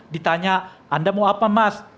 ditanya anda mau apa mas